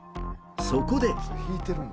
そこで。